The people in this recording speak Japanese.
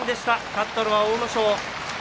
勝ったのは阿武咲。